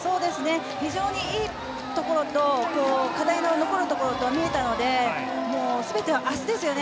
非常にいいところと課題の残る所と見えたので全てはあしたですよね